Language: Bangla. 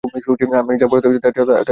আমি যা বরাদ্দ করেছিলাম তার চেয়ে অনেক বেশি।